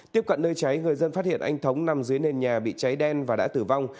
tiếp cận nơi cháy người dân phát hiện anh thống nằm dưới nền nhà bị cháy đen và đã tử vong